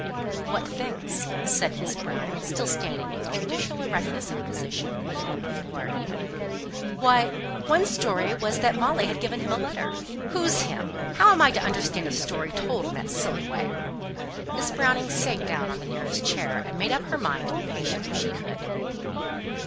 "What things?" said Miss Browning, still standing with judicial erectness of position in the middle of the floor. "Why one story was that Molly had given him a letter." "Who's him? How am I to understand a story told in that silly way?" Miss Browning sat down on the nearest chair, and made up her mind to be patient if she could.